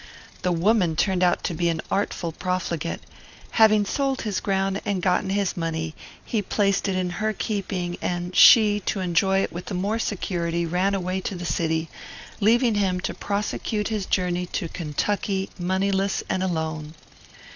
"The woman turned out to be an artful profligate. Having sold his ground and gotten his money, he placed it in her keeping, and she, to enjoy it with the more security, ran away to the city; leaving him to prosecute his journey to Kentucky moneyless and alone.